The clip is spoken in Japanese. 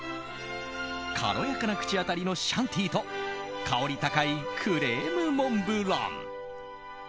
軽やかな口当たりのシャンティーと香り高いクレームモンブラン。